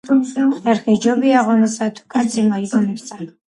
ხერხი სჯობია ღონესა თუ კაცი მოიგონებსა.